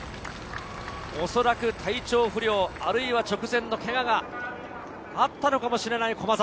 おそらく体調不良、直前のけががあったのかもしれない駒澤。